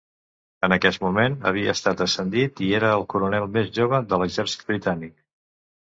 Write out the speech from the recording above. En aquest moment, havia estat ascendit i era el coronel més jove de l’exèrcit britànic.